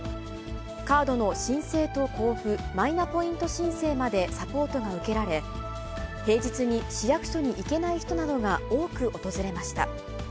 カードの申請と交付、マイナポイント申請までサポートが受けられ、平日に市役所に行けない人などが多く訪れました。